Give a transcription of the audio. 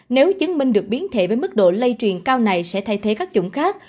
nếu chứng minh được biến thể với mức độ lây truyền cao này sẽ thay thế các chủng khác